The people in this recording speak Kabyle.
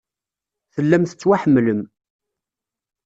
Tellam tettwaḥemmlem.